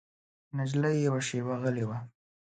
نجلۍ یوه شېبه غلی وه.